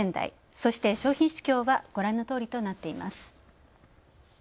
そして、商品市況はご覧のとおりとなっています。